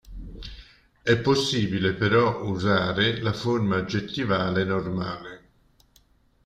È possibile però usare la forma aggettivale normale.